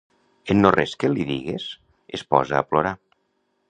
En no res que li digues, es posa a plorar.